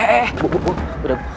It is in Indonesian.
eh eh bu bu bu udah